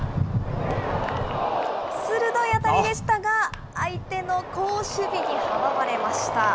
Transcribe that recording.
鋭い当たりでしたが、相手の好守備に阻まれました。